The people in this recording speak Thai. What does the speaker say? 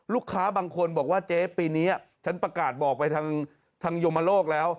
ลูกค้าบางคนบอกว่าเจ๊ปีนี้ฉันประกาศบอกไปทางโยมโลกแล้ว